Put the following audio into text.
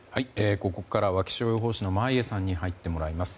ここからは気象予報士の眞家さんに入ってもらいます。